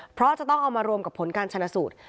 เพราะจะต้องเอามารวมกับผลการชนะสูตร